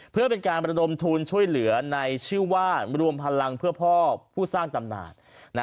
เพื่อเป็นการระดมทุนช่วยเหลือในชื่อว่ารวมพลังเพื่อพ่อผู้สร้างตำนาน